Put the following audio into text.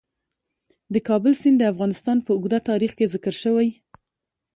د کابل سیند د افغانستان په اوږده تاریخ کې ذکر شوی.